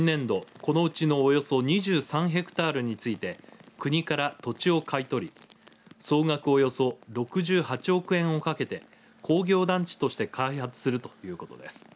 このうちのおよそ２３ヘクタールについて国から土地を買い取り総額およそ６８億円をかけて工業団地として開発するということです。